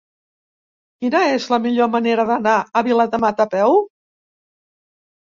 Quina és la millor manera d'anar a Viladamat a peu?